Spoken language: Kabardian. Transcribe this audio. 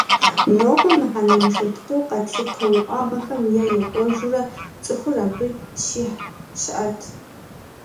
Нобэ мыхьэнэншэ дыдэу къэтлъытэ уӏэгъэхэм е екӏуэжурэ цӏыхур абы щихь щыӏэт.